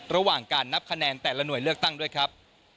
ระหว่างการนับคะแนนแต่ละหน่วยเลือกตั้งด้วยครับ